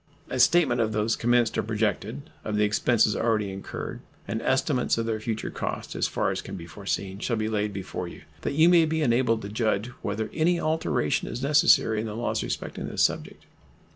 A statement of those commenced or projected, of the expenses already incurred, and estimates of their future cost, as far as can be foreseen, shall be laid before you, that you may be enabled to judge whether any alteration is necessary in the laws respecting this subject.